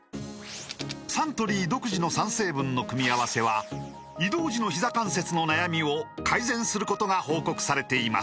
サントリー独自の３成分の組み合わせは移動時のひざ関節の悩みを改善することが報告されています